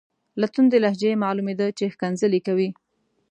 له توندې لهجې یې معلومیده چې ښکنځلې کوي.